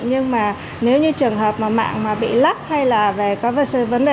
nhưng mà nếu như trường hợp mà mạng bị lấp hay là có vấn đề